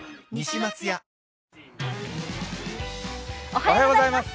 おはようございます。